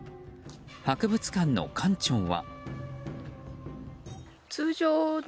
博物館の館長は。